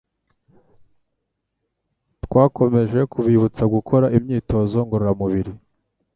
twakomeje kubibutsa gukora imyitozo ngororamubiri